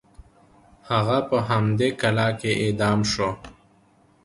هغه په همدې کلا کې اعدام شو.